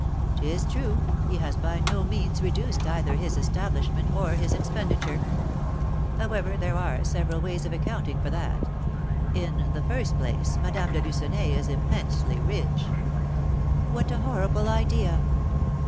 'Tis true, he has by no means reduced either his establishment or his expenditure; however, there are several ways of accounting for that; in the first place, Madame de Lucenay is immensely rich." "What a horrible idea!"